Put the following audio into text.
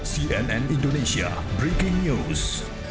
cnn indonesia breaking news